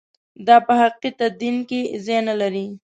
دا په حقیقي تدین کې ځای نه لري.